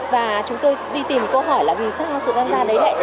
và chúng tôi đi tìm câu hỏi là vì sao nó sự tham gia